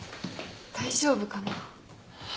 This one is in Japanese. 大丈夫かな？